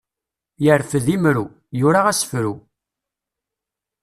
Yerfed imru, yura asefru.